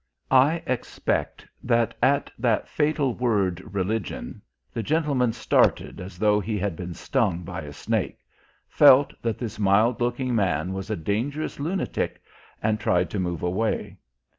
I expect that at that fatal word "Religion" the gentleman started as though he had been stung by a snake, felt that this mild looking man was a dangerous lunatic and tried to move away.